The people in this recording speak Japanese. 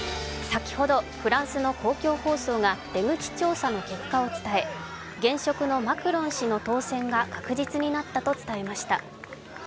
先ほど、フランスの公共放送が出口調査の結果を伝え現職のマクロン氏の当選が確実になったと発表しました。